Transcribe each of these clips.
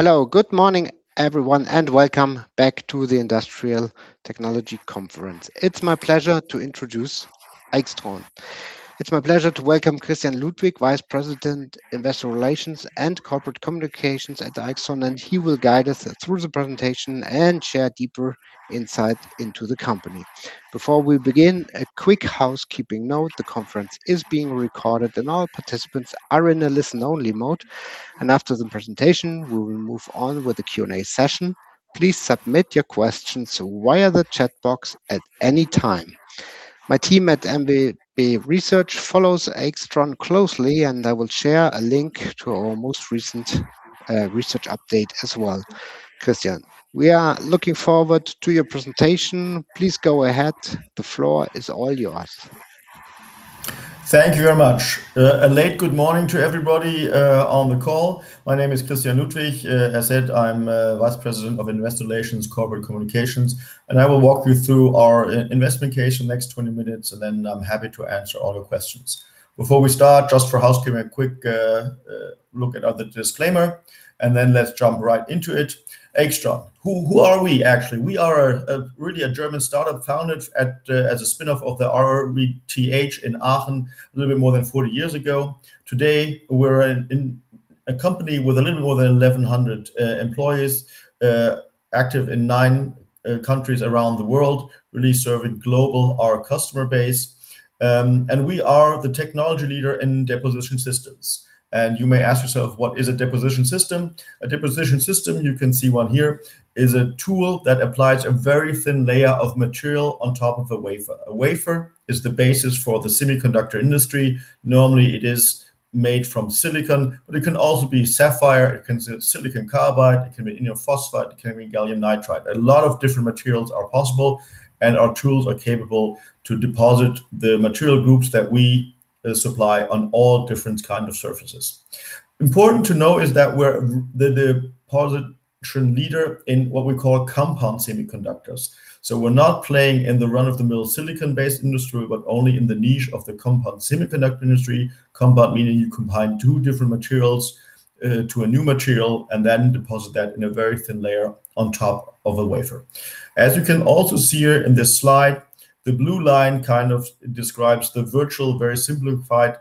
Hello. Good morning, everyone, and welcome back to the Industrial Technology Conference. It's my pleasure to introduce AIXTRON. It's my pleasure to welcome Christian Ludwig, Vice President, Investor Relations and Corporate Communications at AIXTRON. He will guide us through the presentation and share deeper insight into the company. Before we begin, a quick housekeeping note, the conference is being recorded. All participants are in a listen-only mode. After the presentation, we will move on with the Q&A session. Please submit your questions via the chat box at any time. My team at mwb research follows AIXTRON closely. I will share a link to our most recent research update as well. Christian, we are looking forward to your presentation. Please go ahead. The floor is all yours. Thank you very much. A late good morning to everybody on the call. My name is Christian Ludwig. As said, I'm Vice President of Investor Relations Corporate Communications. I will walk you through our investment case in the next 20 minutes. Then I'm happy to answer all your questions. Before we start, just for housekeeping, a quick look at the disclaimer. Then let's jump right into it. AIXTRON. Who are we, actually? We are really a German startup founded as a spin-off of the RWTH in Aachen a little bit more than 40 years ago. Today, we're a company with a little more than 1,100 employees, active in nine countries around the world, really serving global, our customer base. We are the technology leader in deposition systems. You may ask yourself, what is a deposition system? A deposition system, you can see one here, is a tool that applies a very thin layer of material on top of a wafer. A wafer is the basis for the semiconductor industry. Normally, it is made from silicon, but it can also be sapphire, it can be silicon carbide, it can be indium phosphide, it can be gallium nitride. A lot of different materials are possible. Our tools are capable to deposit the material groups that we supply on all different kind of surfaces. Important to know is that we're the deposition leader in what we call compound semiconductors. We're not playing in the run-of-the-mill silicon-based industry, but only in the niche of the compound semiconductor industry. Compound, meaning you combine two different materials to a new material. Then deposit that in a very thin layer on top of a wafer. As you can also see here in this slide, the blue line kind of describes the virtual, very simplified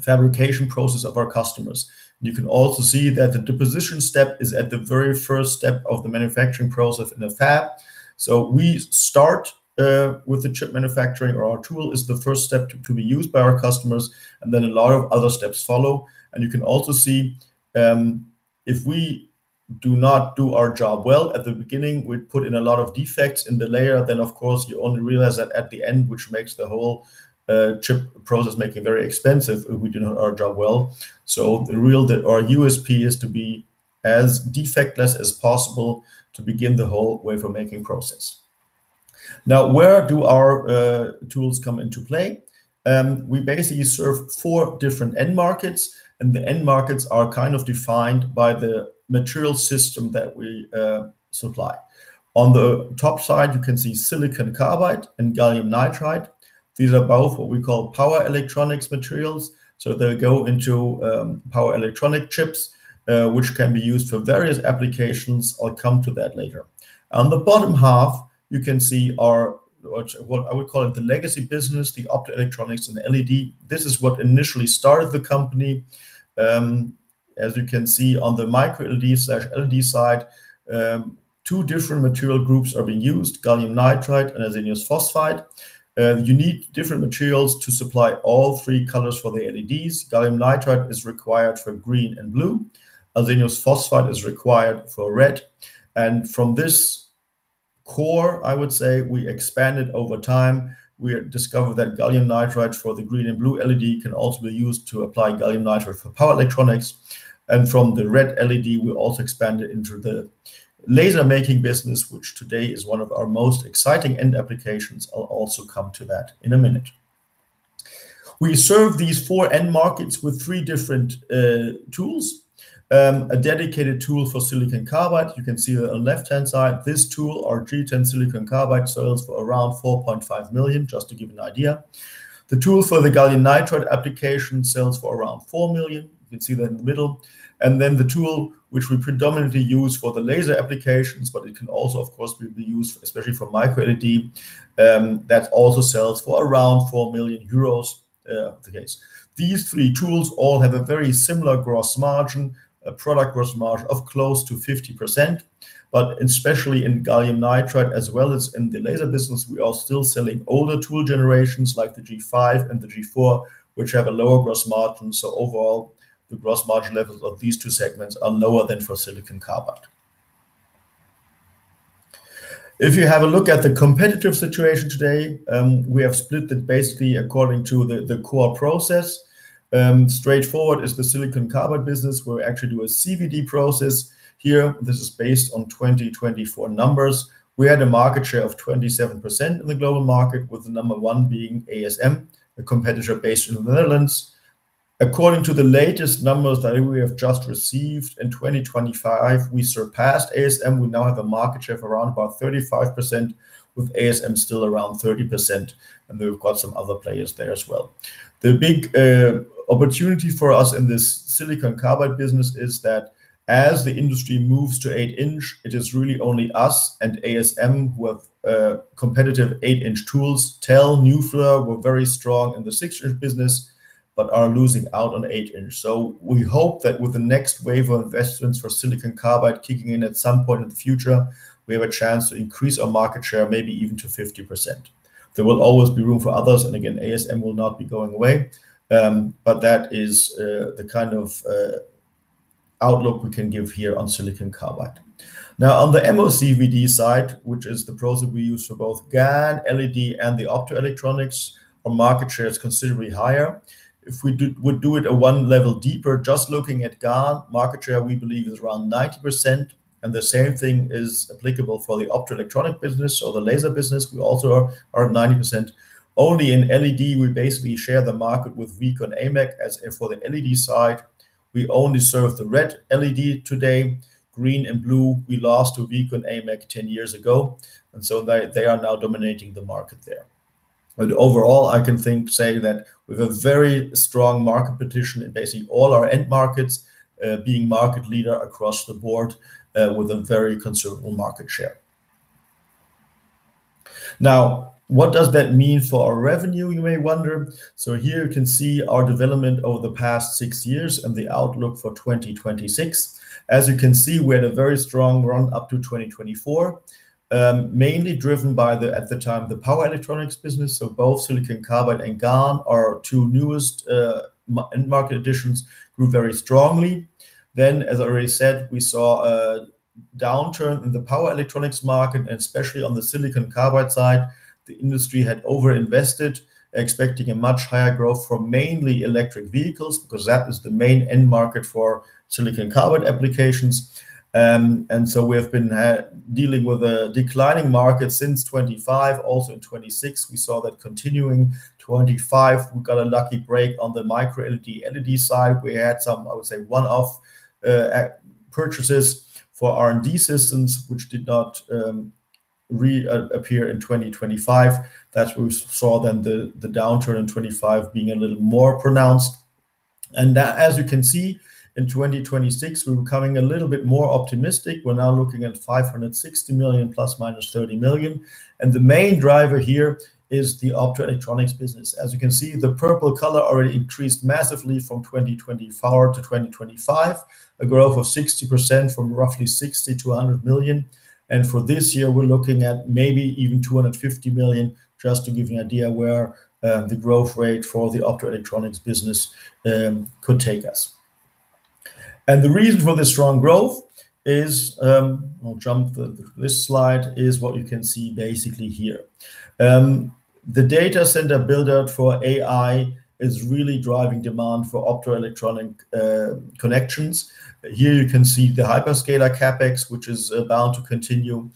fabrication process of our customers. You can also see that the deposition step is at the very first step of the manufacturing process in the fab. We start with the chip manufacturing, or our tool is the first step to be used by our customers. Then a lot of other steps follow. You can also see, if we do not do our job well at the beginning, we put in a lot of defects in the layer. Of course, you only realize that at the end, which makes the whole chip process making very expensive if we do not our job well. Our USP is to be as defectless as possible to begin the whole wafer-making process. Now, where do our tools come into play? We basically serve four different end markets, the end markets are kind of defined by the material system that we supply. On the top side, you can see silicon carbide and gallium nitride. These are both what we call power electronics materials, so they go into power electronic chips, which can be used for various applications. I'll come to that later. On the bottom half, you can see our, what I would call it, the legacy business, the optoelectronics and the LED. This is what initially started the company. As you can see on the MicroLED/LED side, two different material groups are being used, gallium nitride and arsenide phosphide. You need different materials to supply all three colors for the LEDs. Gallium nitride is required for green and blue. Arsenide phosphide is required for red. From this core, I would say, we expanded over time. We discovered that gallium nitride for the green and blue LED can also be used to apply gallium nitride for power electronics. From the red LED, we also expanded into the laser-making business, which today is one of our most exciting end applications. I'll also come to that in a minute. We serve these four end markets with three different tools. A dedicated tool for silicon carbide. You can see that on the left-hand side. This tool, our G10-SiC, sells for around 4.5 million, just to give you an idea. The tool for the gallium nitride application sells for around 4 million. You can see that in the middle. Then the tool which we predominantly use for the laser applications, but it can also, of course, be used, especially for MicroLED, that also sells for around 4 million euros. These three tools all have a very similar gross margin, a product gross margin of close to 50%. Especially in gallium nitride as well as in the laser business, we are still selling older tool generations like the G5 and the G4, which have a lower gross margin. Overall, the gross margin levels of these two segments are lower than for silicon carbide. If you have a look at the competitive situation today, we have split it basically according to the core process. Straightforward is the silicon carbide business. We actually do a CVD process here. This is based on 2024 numbers. We had a market share of 27% in the global market, with the number one being ASM, a competitor based in the Netherlands. According to the latest numbers that we have just received, in 2025, we surpassed ASM. We now have a market share of around about 35%, with ASM still around 30%, and we've got some other players there as well. The big opportunity for us in this silicon carbide business is that as the industry moves to eight-inch, it is really only us and ASM who have competitive eight-inch tools. TEL, NuFlare were very strong in the six-inch business, but are losing out on eight-inch. We hope that with the next wave of investments for silicon carbide kicking in at some point in the future, we have a chance to increase our market share, maybe even to 50%. There will always be room for others, again, ASM will not be going away. That is the kind of outlook we can give here on silicon carbide. On the MOCVD side, which is the process we use for both GaN, LED, and the optoelectronics, our market share is considerably higher. If we would do it at one level deeper, just looking at GaN market share, we believe is around 90%, and the same thing is applicable for the optoelectronic business or the laser business. We also are at 90%. Only in LED, we basically share the market with Veeco and AMEC. As for the LED side, we only serve the red LED today. Green and blue, we lost to Veeco and AMEC 10 years ago. They are now dominating the market there. Overall, I can say that we have a very strong market position in basically all our end markets, being market leader across the board with a very considerable market share. What does that mean for our revenue, you may wonder. Here you can see our development over the past six years and the outlook for 2026. As you can see, we had a very strong run up to 2024, mainly driven by the, at the time, the power electronics business, both silicon carbide and GaN, our two newest end market additions, grew very strongly. As I already said, we saw a downturn in the power electronics market, and especially on the silicon carbide side. The industry had over-invested, expecting a much higher growth from mainly electric vehicles, because that was the main end market for silicon carbide applications. We have been dealing with a declining market since 2025. Also in 2026, we saw that continuing. 2025, we got a lucky break on the MicroLED side. We had some, I would say, one-off purchases for R&D systems, which did not reappear in 2025. That's where we saw then the downturn in 2025 being a little more pronounced. As you can see, in 2026, we were becoming a little bit more optimistic. We're now looking at 560 million ±30 million. The main driver here is the optoelectronics business. As you can see, the purple color already increased massively from 2024-2025, a growth of 60% from roughly 60 million-100 million. For this year, we're looking at maybe even 250 million, just to give you an idea where the growth rate for the optoelectronics business could take us. The reason for this strong growth is, I'll jump to this slide, is what you can see basically here. The data center build-out for AI is really driving demand for optoelectronic connections. Here you can see the hyperscaler CapEx, which is bound to continue.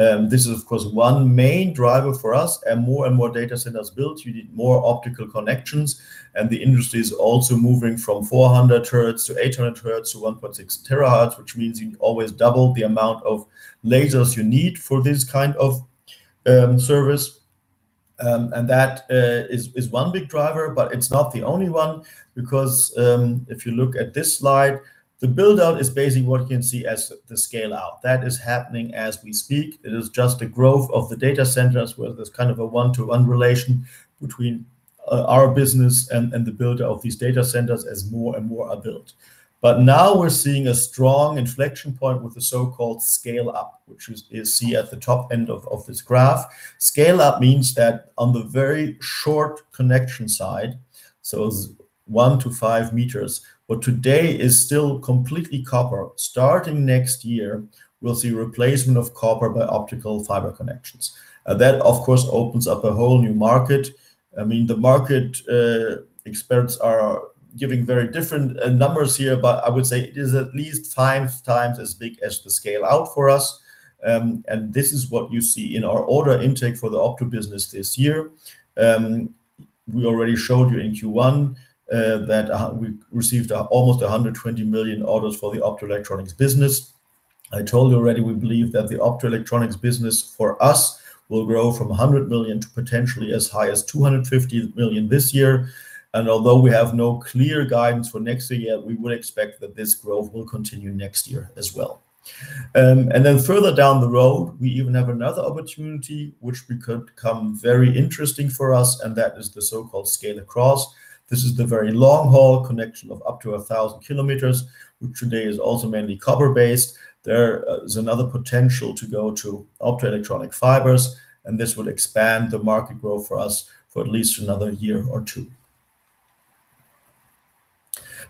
This is, of course, one main driver for us. More and more data centers built, you need more optical connections. The industry is also moving from 400G-800G-1.6T, which means you always double the amount of lasers you need for this kind of service. That is one big driver, but it's not the only one, because if you look at this slide, the build-out is basically what you can see as the scale-out. That is happening as we speak. It is just a growth of the data centers where there's kind of a one-to-one relation between our business and the build-out of these data centers as more and more are built. Now we're seeing a strong inflection point with the so-called scale-up, which you see at the top end of this graph. Scale-up means that on the very short connection side, so it is one to five meters, what today is still completely copper, starting next year, we will see replacement of copper by optical fiber connections. That, of course, opens up a whole new market. The market experts are giving very different numbers here, but I would say it is at least five times as big as the scale-out for us. This is what you see in our order intake for the opto business this year. We already showed you in Q1 that we received almost 120 million orders for the optoelectronics business. I told you already, we believe that the optoelectronics business for us will grow from 100 million to potentially as high as 250 million this year. Although we have no clear guidance for next year yet, we would expect that this growth will continue next year as well. Further down the road, we even have another opportunity, which could become very interesting for us, and that is the so-called scale-across. This is the very long-haul connection of up to 1,000 kilometers, which today is also mainly copper-based. There is another potential to go to optoelectronic fibers, and this will expand the market growth for us for at least another year or two.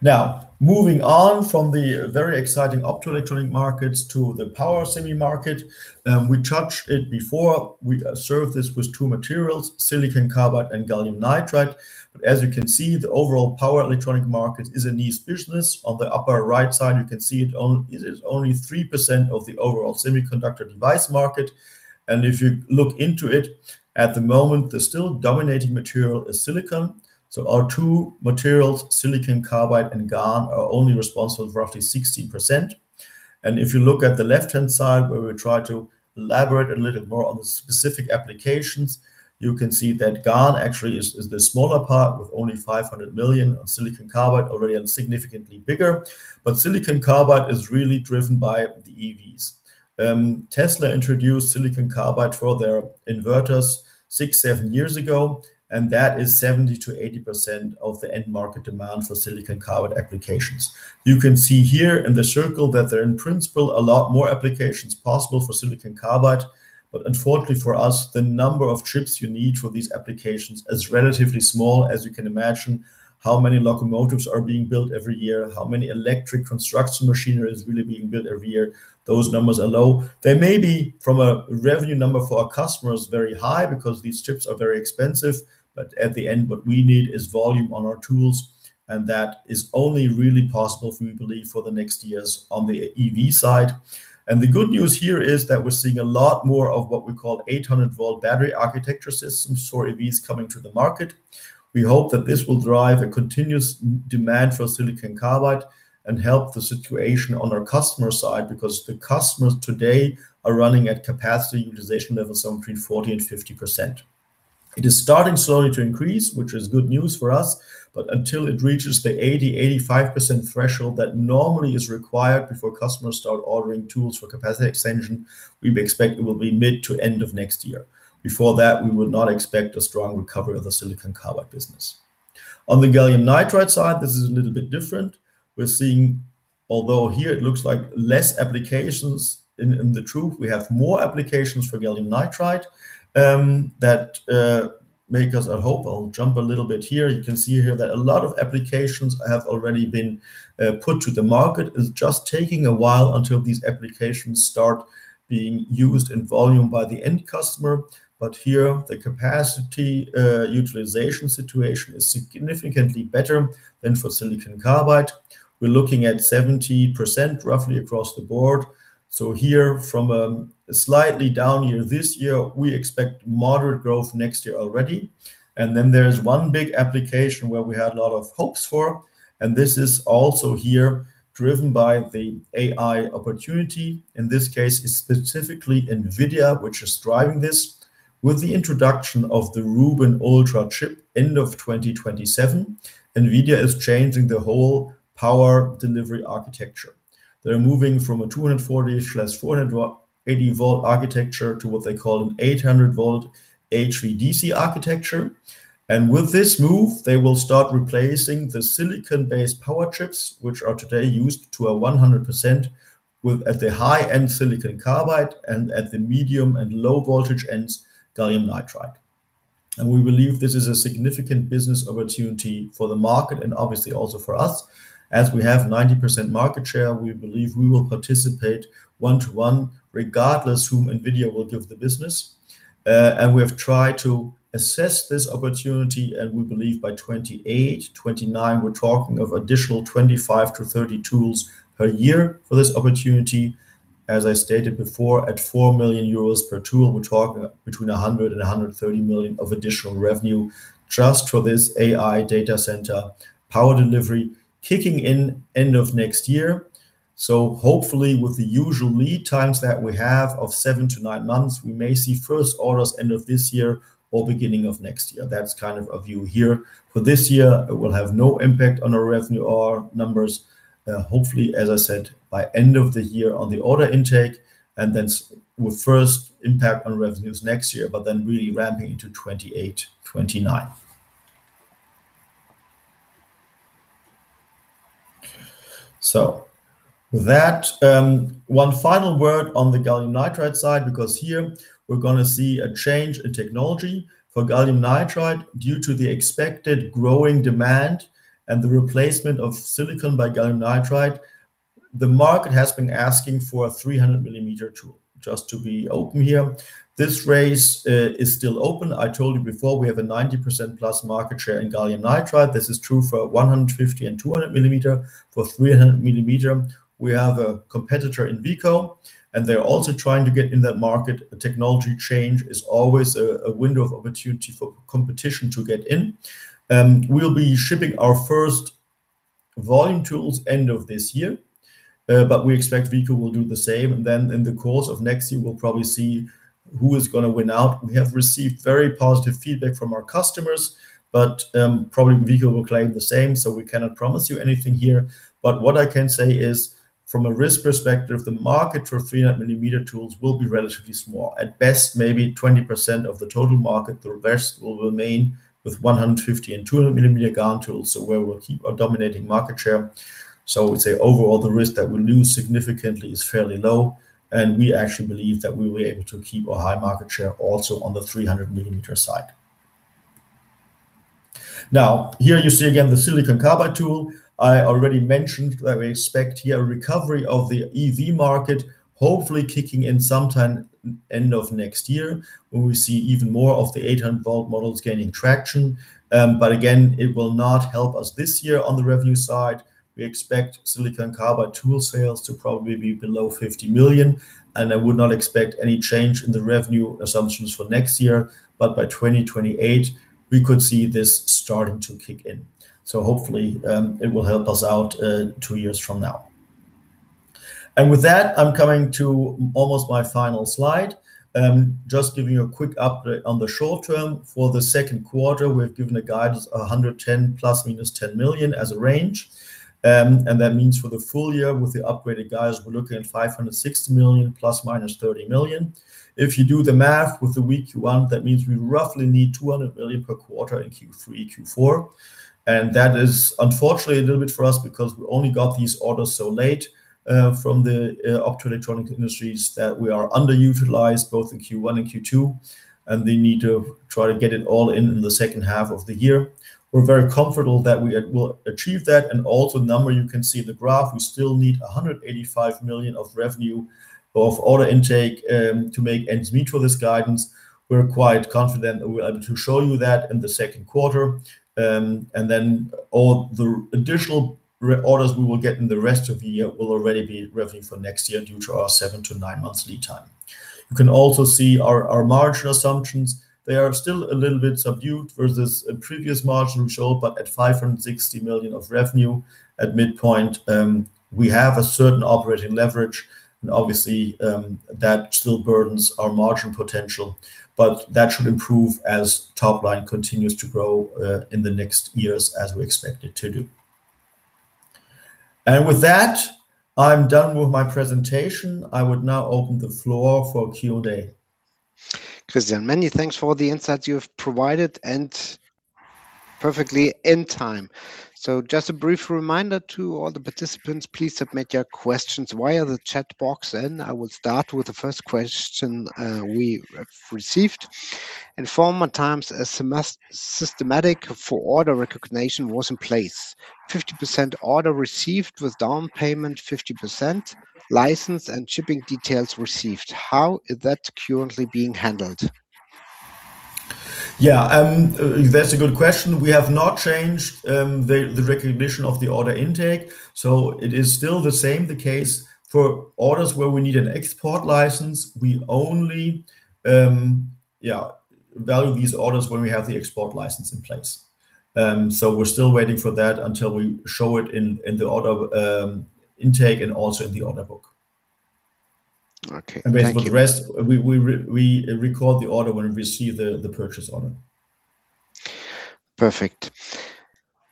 Now, moving on from the very exciting optoelectronic markets to the power semi market. We touched it before. We serve this with two materials, silicon carbide and gallium nitride. As you can see, the overall power electronic market is a niche business. On the upper right side, you can see it is only 3% of the overall semiconductor device market. If you look into it, at the moment, the still dominating material is silicon. Our two materials, silicon carbide and GaN, are only responsible for roughly 16%. If you look at the left-hand side where we try to elaborate a little more on the specific applications, you can see that GaN actually is the smaller part, with only 500 million, and silicon carbide already significantly bigger. Silicon carbide is really driven by the EVs. Tesla introduced silicon carbide for their inverters six, seven years ago, and that is 70%-80% of the end market demand for silicon carbide applications. You can see here in the circle that there are, in principle, a lot more applications possible for silicon carbide. Unfortunately for us, the number of chips you need for these applications is relatively small. As you can imagine, how many locomotives are being built every year, how many electric construction machinery is really being built every year? Those numbers are low. They may be, from a revenue number for our customers, very high because these chips are very expensive. At the end, what we need is volume on our tools, and that is only really possible, we believe, for the next years on the EV side. The good news here is that we are seeing a lot more of what we call 800-volt battery architecture systems for EVs coming to the market. We hope that this will drive a continuous demand for silicon carbide and help the situation on our customer side, because the customers today are running at capacity utilization levels between 40%-50%. It is starting slowly to increase, which is good news for us, until it reaches the 80%-85% threshold that normally is required before customers start ordering tools for capacity extension, we expect it will be mid to end of next year. Before that, we would not expect a strong recovery of the silicon carbide business. On the gallium nitride side, this is a little bit different. Although here it looks like less applications, in the truth, we have more applications for gallium nitride that make us hope. I'll jump a little bit here. You can see here that a lot of applications have already been put to the market. It's just taking a while until these applications start being used in volume by the end customer. Here, the capacity utilization situation is significantly better than for silicon carbide. We're looking at 70%, roughly, across the board. Here, from a slightly down year this year, we expect moderate growth next year already. There is one big application where we had a lot of hopes for, and this is also here driven by the AI opportunity. In this case, it's specifically NVIDIA, which is driving this. With the introduction of the Rubin Ultra chip end of 2027, NVIDIA is changing the whole power delivery architecture. They're moving from a 240-ish/480-volt architecture to what they call an 800-volt HVDC architecture. With this move, they will start replacing the silicon-based power chips, which are today used to a 100%, with, at the high-end silicon carbide, and at the medium and low voltage ends, gallium nitride. We believe this is a significant business opportunity for the market and obviously also for us. As we have 90% market share, we believe we will participate one-to-one, regardless whom NVIDIA will give the business. We have tried to assess this opportunity, and we believe by 2028-2029, we're talking of additional 25-30 tools per year for this opportunity. As I stated before, at 4 million euros per tool, we're talking between 100 million-130 million of additional revenue just for this AI data center power delivery, kicking in end of next year. Hopefully, with the usual lead times that we have of seven to nine months, we may see first orders end of this year or beginning of next year. That's kind of a view here. For this year, it will have no impact on our revenue or numbers. Hopefully, as I said, by end of the year on the order intake, with first impact on revenues next year, really ramping into 2028-2029. One final word on the gallium nitride side, because here we're going to see a change in technology for gallium nitride due to the expected growing demand and the replacement of silicon by gallium nitride. The market has been asking for a 300 mm tool, just to be open here. This race is still open. I told you before, we have a 90%-plus market share in gallium nitride. This is true for 150 and 200 mm. For 300 mm, we have a competitor in Veeco, and they're also trying to get in that market. A technology change is always a window of opportunity for competition to get in. We'll be shipping our first volume tools end of this year, but we expect Veeco will do the same. In the course of next year, we'll probably see who is going to win out. We have received very positive feedback from our customers, but probably Veeco will claim the same, so we cannot promise you anything here. What I can say is, from a risk perspective, the market for 300-mm tools will be relatively small. At best, maybe 20% of the total market. The rest will remain with 150-mm and 200-mm GaN tools, so where we'll keep our dominating market share. I would say overall, the risk that we'll lose significantly is fairly low, and we actually believe that we will be able to keep our high market share also on the 300-mm side. Here you see again the silicon carbide tool. I already mentioned that we expect here a recovery of the EV market, hopefully kicking in sometime end of next year, when we see even more of the 800-volt models gaining traction. Again, it will not help us this year on the revenue side. We expect silicon carbide tool sales to probably be below 50 million, and I would not expect any change in the revenue assumptions for next year. By 2028, we could see this starting to kick in. Hopefully, it will help us out two years from now. With that, I'm coming to almost my final slide. Just giving you a quick update on the short term. For the second quarter, we've given a guidance 110 million ± 10 million as a range. That means for the full year, with the upgraded guidance, we're looking at 560 million ± 30 million. If you do the math, with the weak Q1, that means we roughly need 200 million per quarter in Q3, Q4. That is unfortunately a little bit for us because we only got these orders so late from the optoelectronic industries, that we are underutilized both in Q1 and Q2, and they need to try to get it all in in the second half of the year. We're very comfortable that we will achieve that, and also the number you can see in the graph, we still need 185 million of revenue, of order intake, to make ends meet for this guidance. We're quite confident that we're able to show you that in the second quarter. All the additional orders we will get in the rest of the year will already be revenue for next year, due to our seven to nine months lead time. You can also see our margin assumptions. They are still a little bit subdued versus the previous margin we showed, but at 560 million of revenue at midpoint, we have a certain operating leverage. Obviously, that still burdens our margin potential, but that should improve as top line continues to grow in the next years as we expect it to do. With that, I'm done with my presentation. I would now open the floor for Q&A. Christian, many thanks for the insights you have provided and perfectly in time. Just a brief reminder to all the participants, please submit your questions via the chat box. I will start with the first question we have received. In former times, a system for order recognition was in place. 50% order received with down payment, 50% license and shipping details received. How is that currently being handled? Yeah, that's a good question. We have not changed the recognition of the order intake. It is still the same, the case for orders where we need an export license. We only value these orders when we have the export license in place. We're still waiting for that until we show it in the order intake and also in the order book. Okay. Thank you. Basically, the rest, we record the order when we receive the purchase order. Perfect.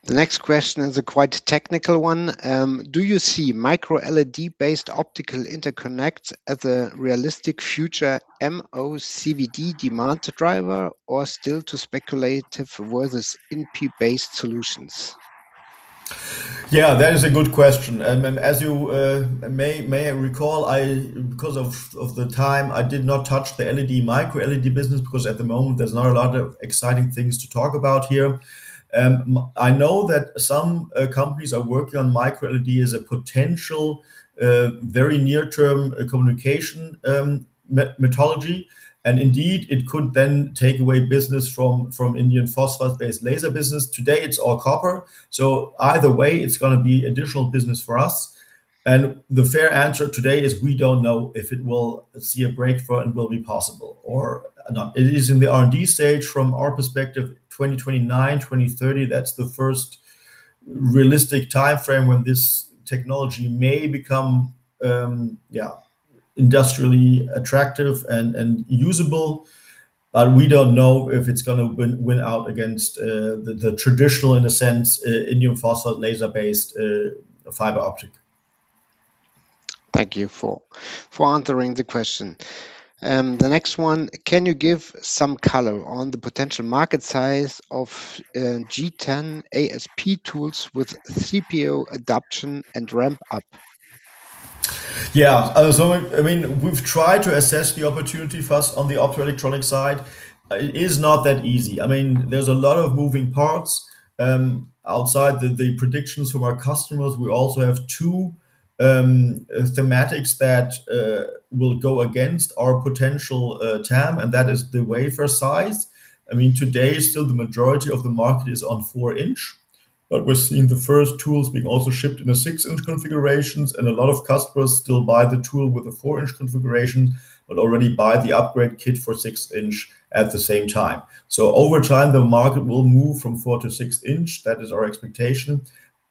The next question is a quite technical one. Do you see MicroLED-based optical interconnects as a realistic future MOCVD demand driver, or still too speculative versus InP-based solutions? As you may recall, because of the time, I did not touch the LED, MicroLED business because at the moment, there's not a lot of exciting things to talk about here. I know that some companies are working on MicroLED as a potential very near-term communication methodology, and indeed it could then take away business from indium phosphide-based laser business. Today, it's all copper, so either way, it's going to be additional business for us. The fair answer today is we don't know if it will see a breakthrough and will be possible or not. It is in the R&D stage. From our perspective, 2029-2030, that's the first realistic timeframe when this technology may become industrially attractive and usable. We don't know if it's going to win out against the traditional, in a sense, indium phosphide laser-based fiber optic. Thank you for answering the question. The next one. Can you give some color on the potential market size of G10-AsP tools with CPO adoption and ramp-up? Yeah. We've tried to assess the opportunity for us on the optoelectronic side. It is not that easy. There's a lot of moving parts. Outside the predictions from our customers, we also have two thematics that will go against our potential TAM, and that is the wafer size. Today, still the majority of the market is on four-inch, but we're seeing the first tools being also shipped in the six-inch configurations, and a lot of customers still buy the tool with a four-inch configuration, but already buy the upgrade kit for six-inch at the same time. Over time, the market will move from four-inch to six-inch. That is our expectation.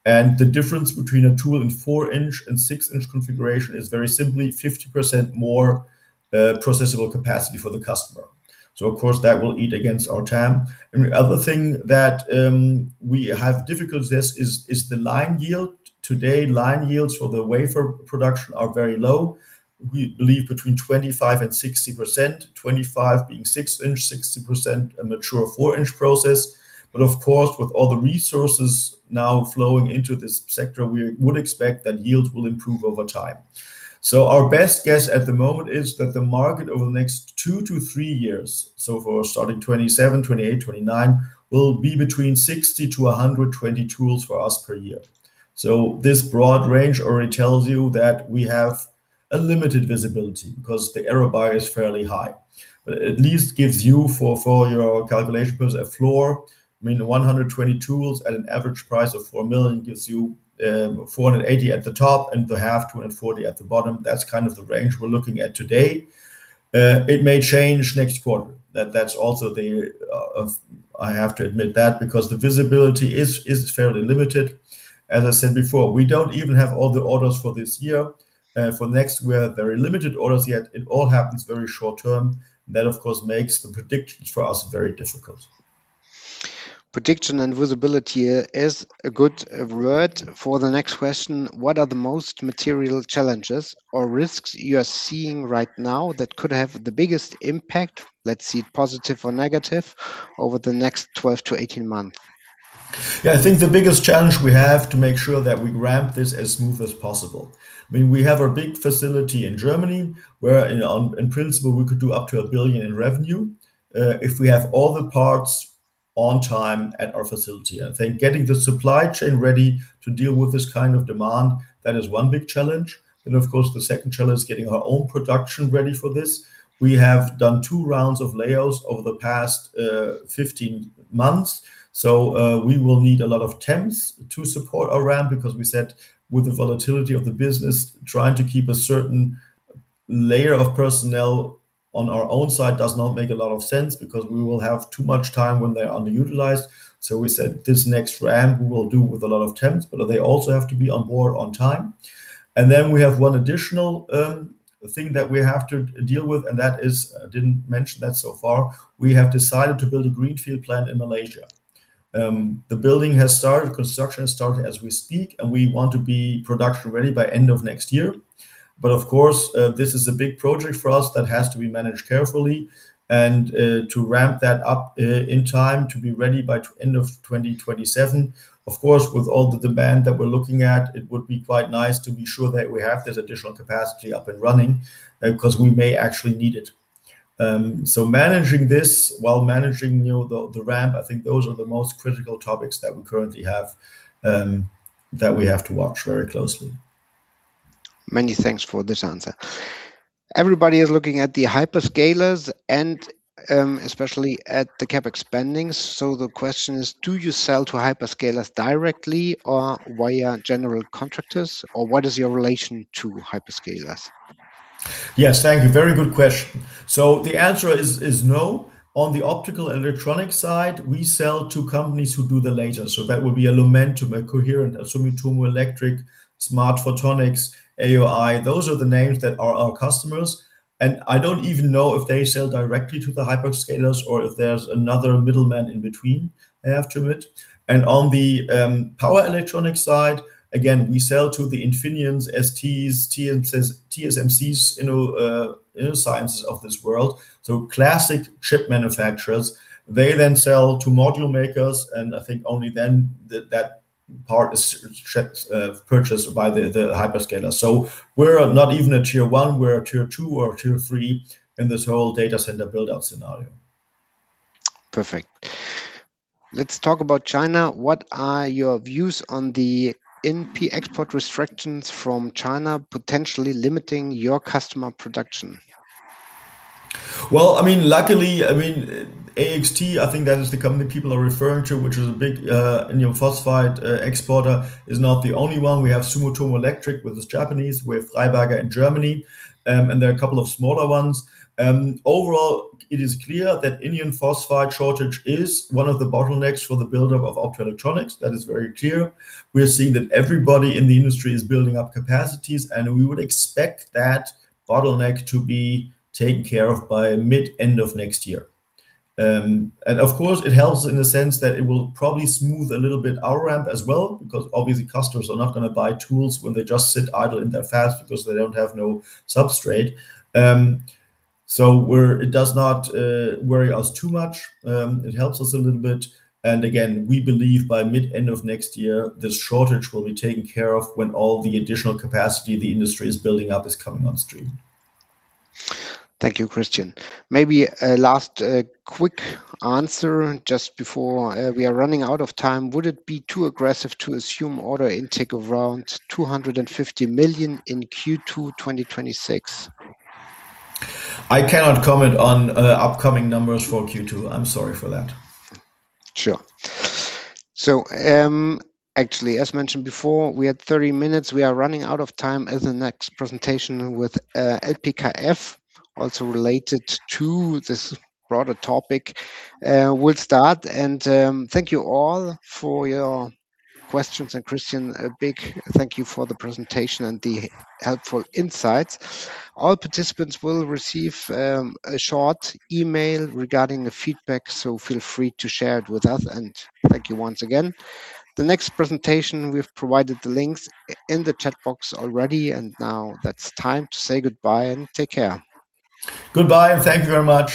The difference between a tool in four-inch and six-inch configuration is very simply 50% more processable capacity for the customer. Of course, that will eat against our TAM. The other thing that we have difficulties is the line yield. Today, line yields for the wafer production are very low. We believe between 25% and 60%, 25% being six-inch, 60% a mature four-inch process. Of course, with all the resources now flowing into this sector, we would expect that yields will improve over time. Our best guess at the moment is that the market over the next two to three years, so for starting 2027, 2028, 2029, will be between 60 tools-120 tools for us per year. This broad range already tells you that we have a limited visibility because the error bar is fairly high. At least gives you for your calculation purpose, a floor. I mean, 120 tools at an average price of 4 million gives you 480 million at the top and 240 million at the bottom. That's kind of the range we're looking at today. It may change next quarter. I have to admit that because the visibility is fairly limited. As I said before, we don't even have all the orders for this year. For next, we have very limited orders yet. It all happens very short-term. Of course, makes the predictions for us very difficult. Prediction and visibility is a good word for the next question. What are the most material challenges or risks you are seeing right now that could have the biggest impact, let's see, positive or negative, over the next 12-18 months? Yeah. I think the biggest challenge we have to make sure that we ramp this as smooth as possible. I mean, we have a big facility in Germany where in principle we could do up to 1 billion in revenue, if we have all the parts on time at our facility. I think getting the supply chain ready to deal with this kind of demand, that is one big challenge. Of course, the second challenge is getting our own production ready for this. We have done two rounds of layoffs over the past 15 months, we will need a lot of temps to support our ramp, because we said with the volatility of the business, trying to keep a certain layer of personnel on our own side does not make a lot of sense because we will have too much time when they're underutilized. We said this next ramp we will do with a lot of temps, but they also have to be on board on time. Then we have one additional thing that we have to deal with, and I didn't mention that so far. We have decided to build a greenfield plant in Malaysia. The building has started, construction has started as we speak, and we want to be production-ready by end of next year. Of course, this is a big project for us that has to be managed carefully, to ramp that up in time to be ready by end of 2027. Of course, with all the demand that we're looking at, it would be quite nice to be sure that we have this additional capacity up and running because we may actually need it. Managing this while managing the ramp, I think those are the most critical topics that we currently have, that we have to watch very closely. Many thanks for this answer. Everybody is looking at the hyperscalers and especially at the CapEx spendings. The question is, do you sell to hyperscalers directly or via general contractors, or what is your relation to hyperscalers? Yes. Thank you. Very good question. The answer is no. On the optical and electronic side, we sell to companies who do the laser. That would be a Lumentum, a Coherent, a Sumitomo Electric, SMART Photonics, AOI. Those are the names that are our customers. I don't even know if they sell directly to the hyperscalers or if there's another middleman in between. I have to admit. On the power electronic side, again, we sell to the Infineons, STs, TSMCs, Innosciences of this world. Classic chip manufacturers. They then sell to module makers. I think only then that part is purchased by the hyperscaler. We're not even a Tier 1, we're a Tier 2 or Tier 3 in this whole data center buildup scenario. Perfect. Let's talk about China. What are your views on the InP export restrictions from China potentially limiting your customer production? Well, luckily, AIXTRON, I think that is the company people are referring to, which is a big indium phosphide exporter, is not the only one. We have Sumitomo Electric, which is Japanese. We have Freiberger in Germany. There are a couple of smaller ones. Overall, it is clear that indium phosphide shortage is one of the bottlenecks for the buildup of optoelectronics. That is very clear. We are seeing that everybody in the industry is building up capacities. We would expect that bottleneck to be taken care of by mid-end of next year. Of course, it helps in the sense that it will probably smooth a little bit our ramp as well, because obviously customers are not going to buy tools when they just sit idle in their fabs because they don't have no substrate. It does not worry us too much. It helps us a little bit. Again, we believe by mid-end of next year, this shortage will be taken care of when all the additional capacity the industry is building up is coming on stream. Thank you, Christian. Maybe a last quick answer just before, we are running out of time. Would it be too aggressive to assume order intake around 250 million in Q2 2026? I cannot comment on upcoming numbers for Q2. I am sorry for that. Sure. Actually, as mentioned before, we had 30 minutes. We are running out of time as the next presentation with LPKF, also related to this broader topic, will start. Thank you all for your questions, and Christian, a big thank you for the presentation and the helpful insights. All participants will receive a short email regarding the feedback, so feel free to share it with us, and thank you once again. The next presentation, we have provided the links in the chat box already, and now that is time to say goodbye and take care. Goodbye, and thank you very much